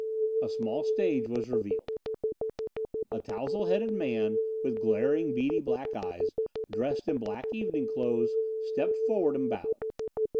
A small stage was revealed. A tousle headed man with glaring, beady black eyes, dressed in black evening clothes stepped forward and bowed.